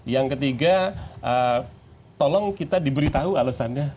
yang ketiga tolong kita diberitahu alasannya